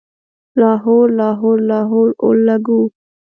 لاهور، لاهور، لاهور اولګوو